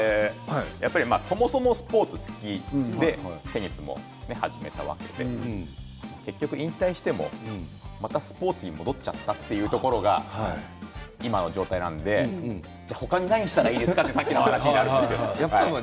そもそもスポーツ好きでテニスも始めたわけで結局、引退してもまたスポーツに戻っちゃったというところが今の状態なのでじゃあ他に何したらいいですかっていうさっきの話になるんです。